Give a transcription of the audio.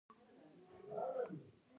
ټولو خلکو په یو شي کې برابره برخه درلوده.